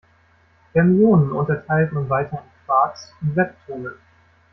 Fermionen unterteilt man weiter in Quarks und Leptonen.